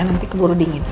nanti keburu dingin